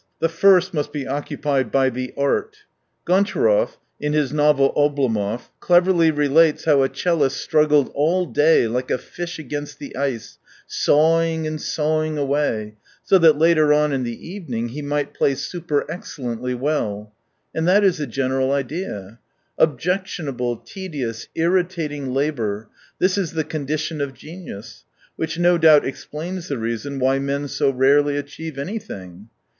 The first must be occupied by " the Art." Goncharov, in his novel Obryv, cleverly relates how a 'cellist struggled all day, like a fish against the ice, sawing and sawing away, so that later on, in the evening, he might play super excellently well. And that is the general idea. Objectionable, tedious, irritating labour, — this is the condi tion of genius, which no doubt explains the reason why men so rarely achieve anything.